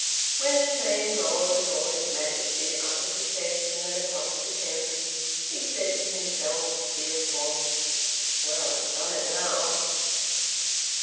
When the train rolled with all its majesty out of the station and across the Thames, he said to himself, fearful, "Well, I've done it now!"